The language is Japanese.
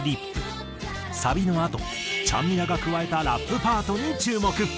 サビのあとちゃんみなが加えたラップパートに注目。